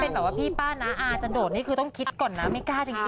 เป็นแบบว่าพี่ป้าน้าอาจะโดดนี่คือต้องคิดก่อนนะไม่กล้าจริง